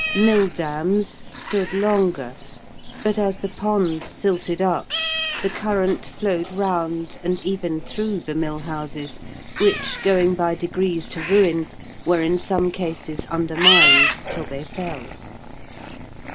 Mill dams stood longer, but, as the ponds silted up, the current flowed round and even through the mill houses, which, going by degrees to ruin, were in some cases undermined till they fell.